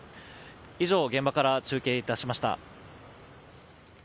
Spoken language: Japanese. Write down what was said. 以上、現場から中継いたしました。